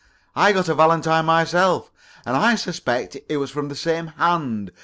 I got a valentine myself, and I suspect it was from the same hand.